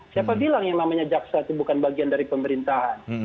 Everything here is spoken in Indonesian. siapa bilang yang namanya jaksa itu bukan bagian dari pemerintahan